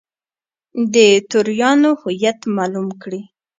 د توریانو هویت معلوم کړي.